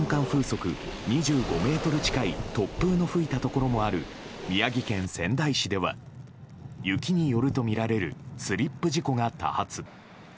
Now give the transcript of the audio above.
風速２５メートル近い突風が吹いたところもある宮城県仙台市では雪によるとみられるスリップ事故が多発。